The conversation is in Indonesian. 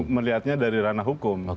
melihatnya dari ranah hukum